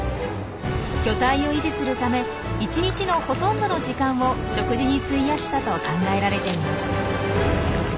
巨体を維持するため１日のほとんどの時間を食事に費やしたと考えられています。